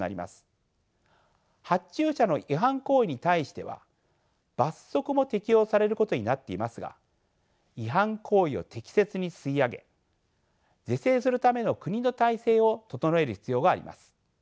発注者の違反行為に対しては罰則も適用されることになっていますが違反行為を適切に吸い上げ是正するための国の体制を整える必要があります。